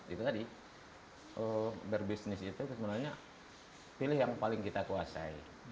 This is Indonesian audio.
itu tadi berbisnis itu sebenarnya pilih yang paling kita kuasai